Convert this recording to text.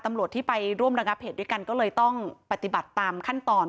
ตำรวจที่ไปร่วมระงับเหตุด้วยกันก็เลยต้องปฏิบัติตามขั้นตอน